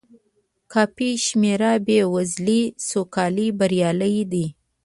کافي شمېر بې وزلۍ سوکالۍ بریالۍ دي.